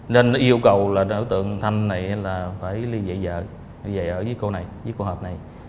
nên yêu cầu đối tượng thành phải liên dị vợ với cô này với cô hợp này